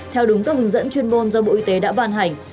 theo đúng các hướng dẫn chuyên môn do bộ y tế đã ban hành